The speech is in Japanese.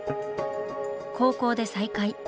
高校で再会。